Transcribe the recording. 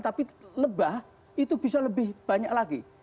tapi lebah itu bisa lebih banyak lagi